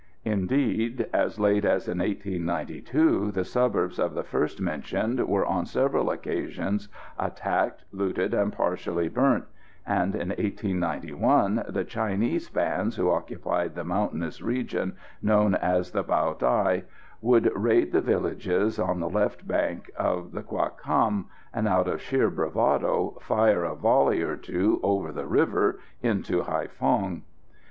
Indeed, as late as in 1892 the suburbs of the first mentioned were on several occasions attacked, looted and partially burnt; and in 1891 the Chinese bands who occupied the mountainous region known as the Bao Day would raid the villages on the left bank of the Cua Cam, and out of sheer bravado fire a volley or two over the river into Haïphong.